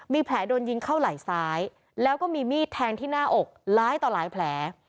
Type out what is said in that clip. มีแผลโดนยิงเข้าไหล่ซ้ายแล้วก็มีมีดแทงที่หน้าอกร้ายต่อหลายแผล